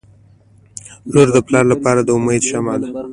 • لور د پلار لپاره د امید شمعه وي.